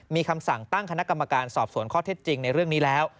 มีคำสั่งตั้งคณะกรรมการสอบสวนข้อเท็จจริงในเรื่องนี้แล้ว